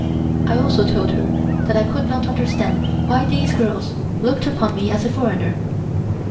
I also told her that I could not understand why these girls looked upon me as a foreigner.